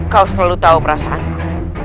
kau selalu tahu perasaanku